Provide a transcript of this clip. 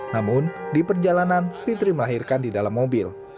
namun di perjalanan fitri melahirkan di dalam mobil